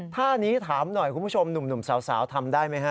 ท่านี้ถามหน่อยคุณผู้ชมหนุ่มสาวทำได้ไหมฮะ